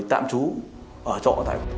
tạm trú ở trọ